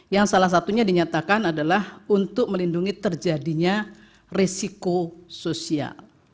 yang salah satunya dinyatakan adalah untuk melindungi terjadinya resiko sosial